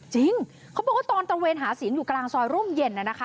จริงเขาบอกว่าตอนตระเวนหาเสียงอยู่กลางซอยร่มเย็นนะคะ